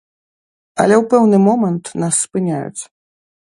Але ў пэўны момант нас спыняюць.